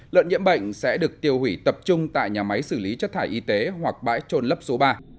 lợn nhiễm bệnh sẽ được tiêu hủy tập trung tại nhà máy xử lý chất thải y tế hoặc bãi trôn lấp số ba